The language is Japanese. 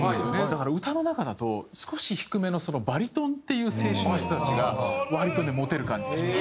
だから歌の中だと少し低めのバリトンっていう声種の人たちが割とねモテる感じがします。